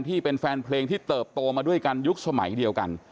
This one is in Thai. ที่เป็นแฟนเพลงที่เติบโตมาด้วยกันยุคสมัยเดียวกัน